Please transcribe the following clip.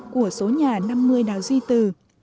của số nhà năm mươi đào duy từ